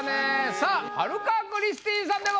さあ春香クリスティーンさんでございます。